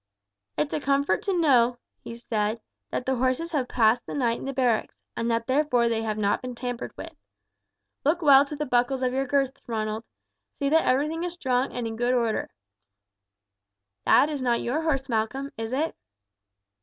"It's a comfort to know," he said, "that the horses have passed the night in the barracks, and that therefore they have not been tampered with. Look well to the buckles of your girths, Ronald. See that everything is strong and in good order." "That is not your own horse, Malcolm, is it?"